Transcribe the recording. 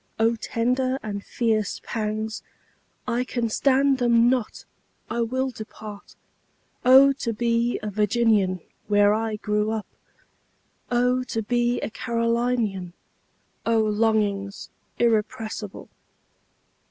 O tender and fierce pangs—I can stand them not—I will depart;O to be a Virginian, where I grew up! O to be a Carolinian!O longings irrepressible!